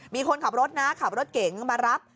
มีคนขับรถนะขับรถเก๋งมารับ